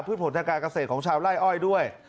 ผลทางการเกษตรของชาวไล่อ้อยด้วย